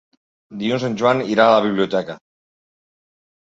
Dilluns en Joan irà a la biblioteca.